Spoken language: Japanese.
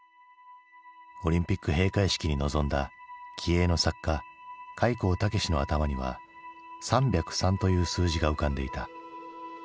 オリンピック閉会式に臨んだ気鋭の作家開高健の頭には３０３という数字が浮かんでいた。